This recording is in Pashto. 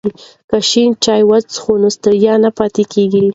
که شین چای وڅښو نو ستړیا نه پاتې کیږي.